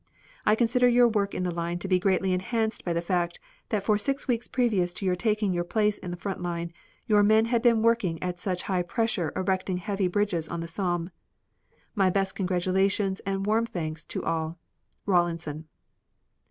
I consider your work in the line to be greatly enhanced by the fact that for six weeks previous to your taking your place in the front line your men had been working at such high pressure erecting heavy bridges on the Somme. My best congratulations and warm thanks to all. RAWLINSON.